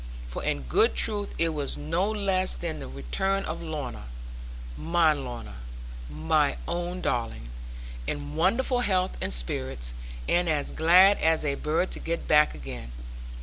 For in good truth it was no less than the return of Lorna my Lorna, my own darling; in wonderful health and spirits, and as glad as a bird to get back again.